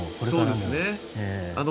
そうですね。